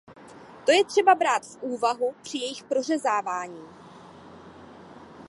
To je třeba brát v úvahu při jejich prořezávání.